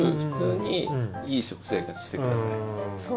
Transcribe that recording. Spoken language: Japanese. そう。